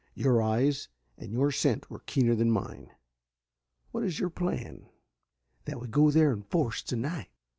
Your eyes and your scent were keener than mine. What is your plan?" "That we go there in force tonight."